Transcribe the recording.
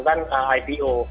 dan juga melakukan ipo